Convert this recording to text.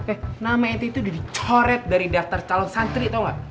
eh nama ente itu udah dicoret dari daftar calon santri tau gak